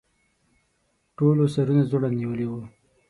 ټولو سرونه ځوړند نیولي وو.